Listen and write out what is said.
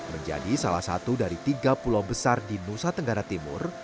menjadi salah satu dari tiga pulau besar di nusa tenggara timur